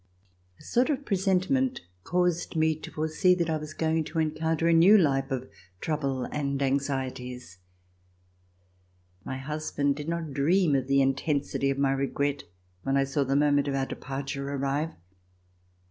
A sort of pre sentiment caused me to foresee that I was going [ 238 ] DEPARTURE FOR EUROPE to encounter a new life of trouble and anxieties. My husband did not dream of the intensity of my regret when I saw the moment of our departure arrive.